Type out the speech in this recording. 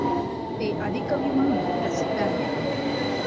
ते आदिकवि म्हणुन प्रसिद्ध आहेत.